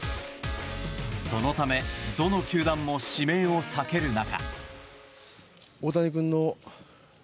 そのためどの球団も指名を避ける中。